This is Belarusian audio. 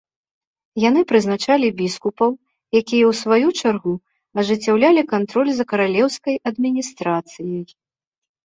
Яны прызначалі біскупаў, якія, у сваю чаргу, ажыццяўлялі кантроль за каралеўскай адміністрацыяй.